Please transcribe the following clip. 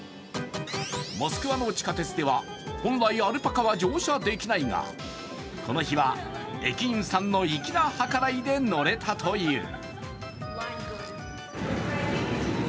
モスクワの地下鉄では本来アルパカは乗車できないがこの日は駅員さんの粋な計らいで乗れたという。